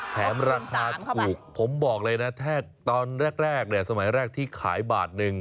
แถมราคาถูกผมบอกเลยนะตอนแรกสมัยแรกที่ขายบาทหนึ่ง